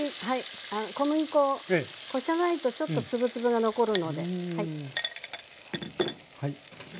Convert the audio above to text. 小麦粉をこさないとちょっと粒々が残るので。